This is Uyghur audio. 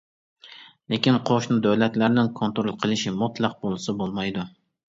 لېكىن قوشنا دۆلەتلەرنىڭ كونترول قىلىشى مۇتلەق بولسا بولمايدۇ.